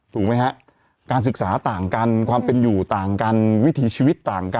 ถูกไหมฮะการศึกษาต่างกันความเป็นอยู่ต่างกันวิถีชีวิตต่างกัน